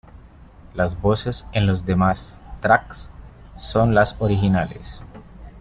Las voces en los demás tracks son las originales.